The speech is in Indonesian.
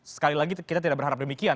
sekali lagi kita tidak berharap demikian